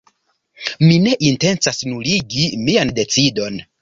Mi ne intencas nuligi mian decidon.